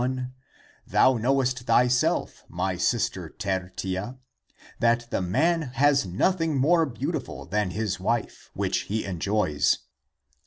334 THE APOCRYPHAL ACTS Thou knowest thyself, my sister Tertia, that the man has nothing more beautiful than his wife, which he enjoys.